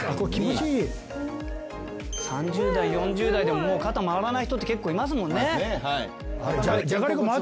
３０代４０代でもう肩回らない人って結構いますもんね。